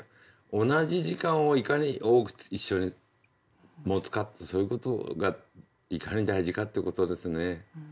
同じ時間をいかに多く一緒に持つかってそういうことがいかに大事かってことですね。